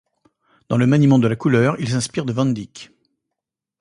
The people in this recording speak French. Dans le maniement de la couleur, il s'inspire de van Dyck.